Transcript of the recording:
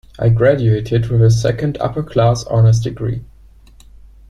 I graduated with a second upper-class honours degree.